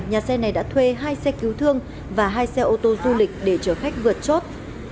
nhà xe này đã thuê hai xe cứu thương và hai xe ô tô du lịch để chở khách vượt chốt